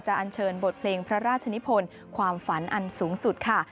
อันเชิญบทเพลงพระราชนิพลความฝันอันสูงสุดค่ะ